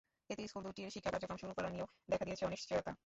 এতে স্কুল দুটির শিক্ষা কার্যক্রম শুরু করা নিয়ে দেখা দিয়েছে অনিশ্চয়তা।